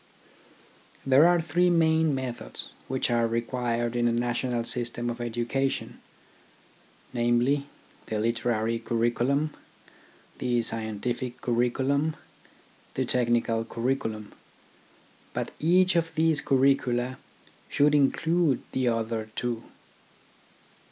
There are three main methods which are required in a national system of education, namely, the literary curriculum, the scientific curriculum, the technical curriculum. But each of these curricula should include the other two.